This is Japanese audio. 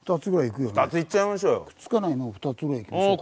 くっつかないのを２つぐらいいきましょう。